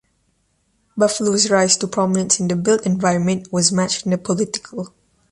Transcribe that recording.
Buffalo's rise to prominence in the built environment was matched in the political.